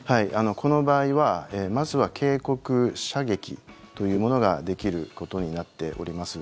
この場合はまずは警告射撃というものができることになっております。